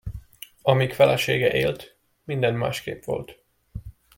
Amíg felesége élt, minden másképp volt.